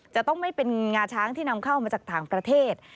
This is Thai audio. จะต้องไม่เป็นงาช้างที่นำเข้ามาจากต่างประเทศ